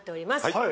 はい。